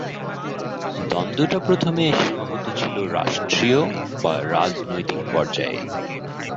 দ্বন্দ্বটা প্রথমে সীমাবদ্ধ ছিল রাষ্ট্রীয় বা রাজনৈতিক পর্যায়ে।